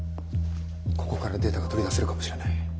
ここからデータが取り出せるかもしれない。